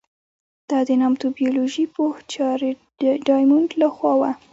دا د نامتو بیولوژي پوه جارېډ ډایمونډ له خوا وه.